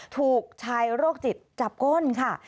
ถูกชายโรคจิตจับก้นค่ะ